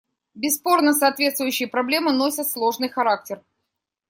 Бесспорно, соответствующие проблемы носят сложный характер.